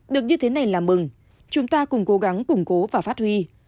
được như thế này là mừng chúng ta cùng cố gắng củng cố và phát huy